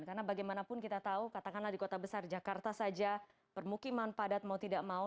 karena bagaimanapun kita tahu katakanlah di kota besar jakarta saja permukiman padat mau tidak mau